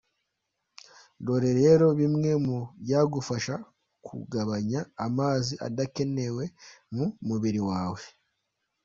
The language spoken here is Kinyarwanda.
Dore rero bimwe mu byagufasha kugabanya amazi adakenewe mu mubiri wawe.